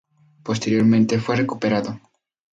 Posteriormente, fue recuperado.